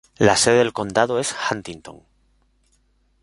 La sede del condado es Huntington.